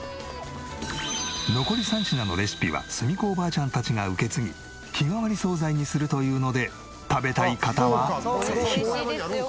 残り３品のレシピは澄子おばあちゃんたちが受け継ぎ日替わり惣菜にするというので食べたい方はぜひ。